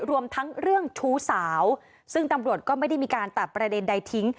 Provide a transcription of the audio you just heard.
รวมทั้งเรื่องชู้สาวซึ่งตำรวจก็ไม่ได้มีการตัดประเด็นใดทิ้ง